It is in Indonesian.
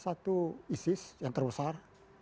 satu isis yang terbesar